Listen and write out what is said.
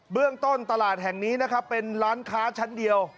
เรื่องต้นตลาดแห่งนี้นะครับเป็นร้านค้าชั้นเดียว